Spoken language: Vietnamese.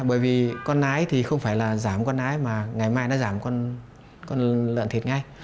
bởi vì con nái thì không phải là giảm con ái mà ngày mai nó giảm con lợn thịt ngay